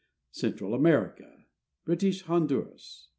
CENTEAL AMERICA British Honduras.